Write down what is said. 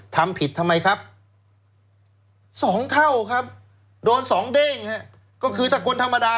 ทำผิดทำไมครับสองเท่าครับโดน๒เด้งฮะก็คือถ้าคนธรรมดา